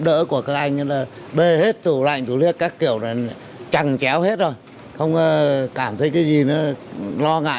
đỡ của các anh bê hết tủ lạnh tủ liếc các kiểu trằng chéo hết rồi không cảm thấy cái gì nữa lo ngại